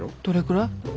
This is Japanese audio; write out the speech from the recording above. どれくらい？